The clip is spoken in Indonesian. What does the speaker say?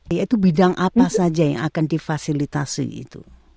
yaitu bidang apa saja yang akan difasilitasi itu